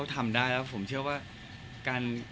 ครอบครัวมีน้องเลยก็คงจะอยู่บ้านแล้วก็เลี้ยงลูกให้ดีที่สุดค่ะ